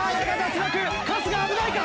春日危ないか？